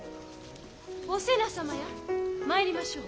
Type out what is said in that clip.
お瀬名様や参りましょう。